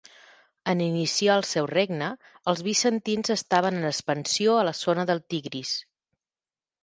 En iniciar el seu regne els bizantins estaven en expansió a la zona del Tigris.